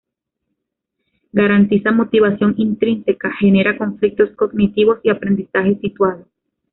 Garantiza motivación intrínseca, genera conflictos cognitivos y aprendizaje situado.